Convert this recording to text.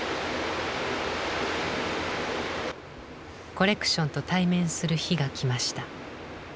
コレクションと対面する日が来ました。